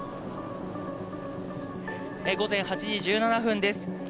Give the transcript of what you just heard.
午前８時１７分です。